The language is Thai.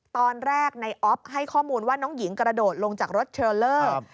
ตอนแรกในออฟให้ข้อมูลว่าน้องหญิงกระโดดลงจากรถเทรลเลอร์